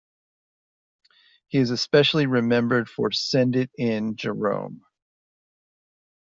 He is especially remembered for Send It In, Jerome!